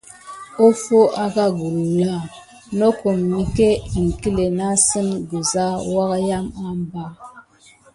Offo akà gula nakum miki iŋklé nasane kiza wukayam anba.